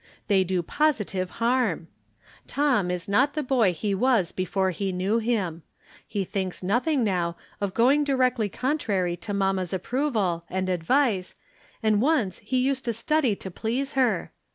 They do positive harm. Tom is not the boy he was before he knew him. He thinks nothing now of going directly contrary to mamma's approval and advice, and once he used to study to please her.